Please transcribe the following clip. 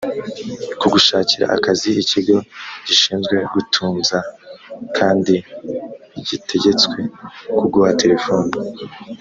kugushakira akazi ikigo gishinzwe gutunza kandi ntigitegetswe kuguha telefone